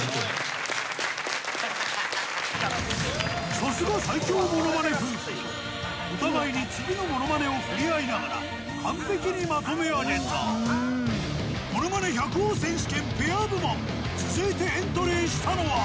さすが最強ものまね夫婦お互いに次のものまねを振り合いながら完璧にまとめ上げた続いてエントリーしたのは！